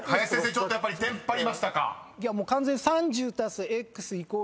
ちょっとやっぱりテンパりましたか？］